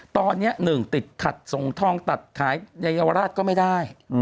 ตอนนี้๑ติดขัดส่งทองตัดขายเยาวราชก็ไม่ได้